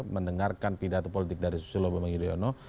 mendengarkan pidato politik dari susilo bambang yudhoyono